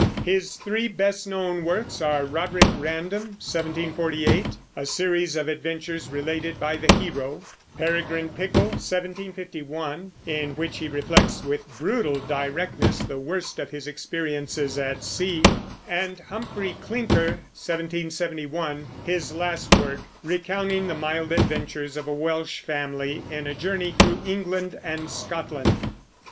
His three best known works are Roderick Random (1748), a series of adventures related by the hero; Peregrine Pickle (1751) in which he reflects with brutal directness the worst of his experiences at sea; and Humphrey Clinker (1771), his last work, recounting the mild adventures of a Welsh family in a journey through England and Scotland.